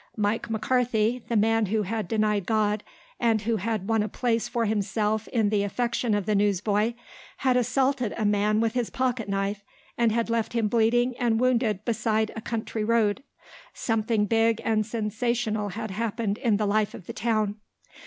Mike McCarthy, the man who had denied God and who had won a place for himself in the affection of the newsboy, had assaulted a man with a pocket knife and had left him bleeding and wounded beside a country road. Something big and sensational had happened in the life of the town.